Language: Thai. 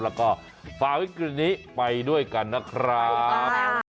แล้วก็ฝ่าวิกฤตนี้ไปด้วยกันนะครับ